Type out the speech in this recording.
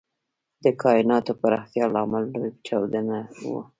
د کائناتو پراختیا لامل لوی چاودنه وه.